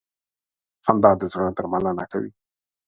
• خندا د زړه درملنه کوي.